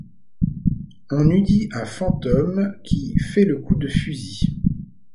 On eût dit un fantôme qui fait le coup de fusil.